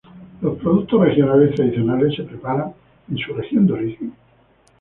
Los productos regionales tradicionales se preparan en su región de origen.